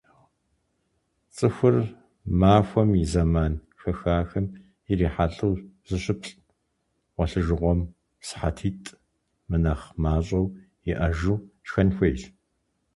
ЦӀыхур махуэм и зэман хэхахэм ирихьэлӀэу зыщыплӏ, гъуэлъыжыгъуэм сыхьэтитӏ мынэхъ мащӀэу иӀэжу, шхэн хуейщ.